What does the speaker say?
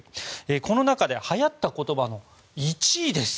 この中で流行った言葉の１位です。